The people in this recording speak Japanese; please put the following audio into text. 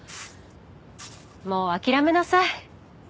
もう諦めなさい。